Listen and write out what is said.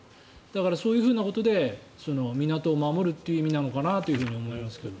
だから、そういうことで港を守るという意味なのかなと思いますけど。